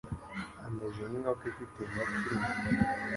Ameze nkinkoko ifite inkoko imwe.